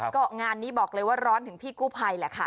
ก็งานนี้บอกเลยว่าร้อนถึงพี่กู้ภัยแหละค่ะ